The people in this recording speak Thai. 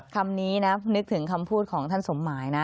คำนี้นะนึกถึงคำพูดของท่านสมหมายนะ